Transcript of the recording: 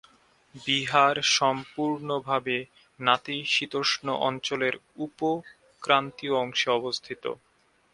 বিহার সম্পূর্ণভাবে নাতিশীতোষ্ণ অঞ্চলের উপ -ক্রান্তীয় অংশে অবস্থিত।